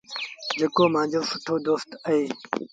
جيڪو مآݩجو سُٺو دوست اهي۔